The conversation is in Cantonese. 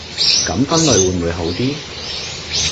噉分類會唔會好啲